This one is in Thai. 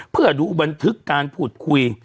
เพื่อดูบันทึกการพูดคุย